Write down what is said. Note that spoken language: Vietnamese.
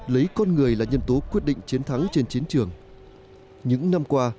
lấy con người là nhân tố quyết định chiến thắng trên chiến trường những năm qua